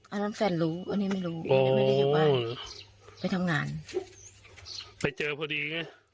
อันนั้นแฟนรู้อันนี้ไม่รู้อ๋อไปทำงานไปเจอพอดีไง